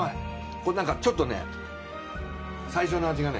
これなんかちょっとね最初の味がね